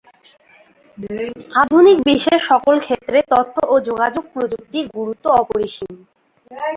আধুনিক বিশ্বে সকল ক্ষেত্রে তথ্য ও যোগাযোগ প্রযুক্তির গুরুত্ব অপরিসীম।